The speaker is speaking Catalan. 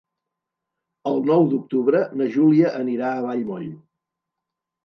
El nou d'octubre na Júlia anirà a Vallmoll.